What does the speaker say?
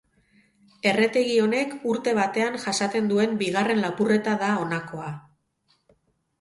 Erretegi honek urte batean jasaten duen bigarren lapurreta da honakoa.